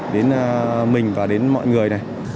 đến mình và đến mọi người